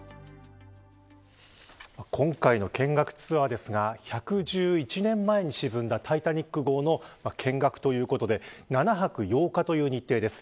今回の見学ツアーですが１１１年前に沈んだタイタニック号の見学ということで７泊８日という日程です。